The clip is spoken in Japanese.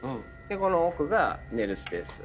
この奥が寝るスペース。